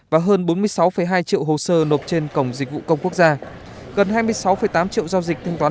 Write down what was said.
và hơn bốn mươi sáu hai triệu hồ sơ nộp trên cổng dịch vụ công quốc gia gần hai mươi sáu tám triệu giao dịch thanh toán